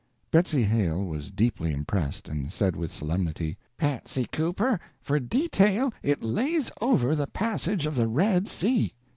Betsy Hale was deeply impressed, and said with solemnity: "Patsy Cooper, for detail it lays over the Passage of the Red Sea."